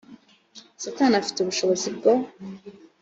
satani afite ubushobozi bwo